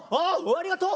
ありがとう！